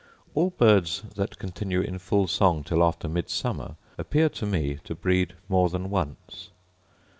All birds that continue in full song till after Midsummer appear to me to breed more than once.